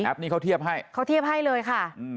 นี่เขาเทียบให้เขาเทียบให้เลยค่ะ